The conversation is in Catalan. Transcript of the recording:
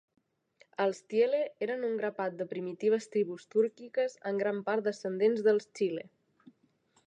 Els Tiele eren un grapat de primitives tribus túrquiques, en gran part descendents dels Xile.